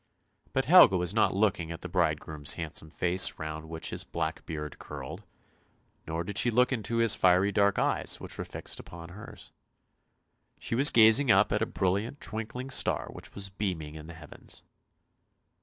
But Helga was not looking at the bridegroom's handsome face round which his black beard curled, nor did she look into his fiery dark eyes which were fixed upon hers. She was gazing up at a brilliant twinkling star which was beaming in the heavens.